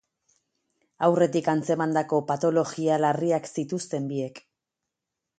Aurretik atzemandako patologia larriak zituzten biek.